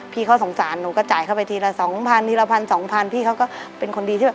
พี่เขาสงสารหนูก็จ่ายเข้าไปทีละ๒๐๐๐๒๐๐๐เขาก็เป็นคนดี